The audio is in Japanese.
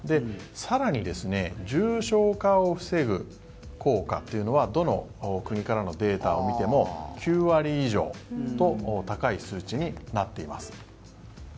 更に重症化を防ぐ効果っていうのはどの国からのデータを見ても９割以上と高い数値になっています。